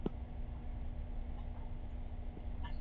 严仁美出生于上海。